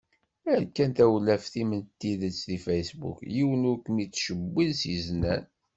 Err kan tawlaft-im n tidet deg Facebook, yiwen ur kem-ittcewwil s yiznan.